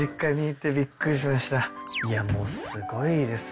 いやもうすごいですね。